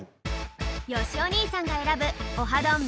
よしお兄さんが選ぶオハどん！